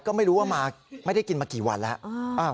ก็ไม่รู้ว่าไม่ได้กินมากี่วันแล้ว